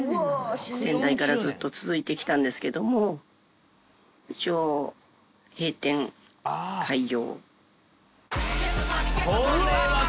先代からずっと続いてきたんですけども、一応、閉店、廃業。